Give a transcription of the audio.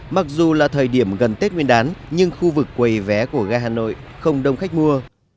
mặc dù là thời điểm gần tết nguyên đán nhưng khu vực quầy vé của ga hà nội không đông khách mua